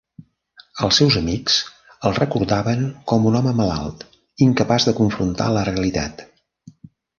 Els seus amics el recordaven com "un home malalt, incapaç de confrontar la realitat".